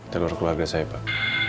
teror keluarga saya pak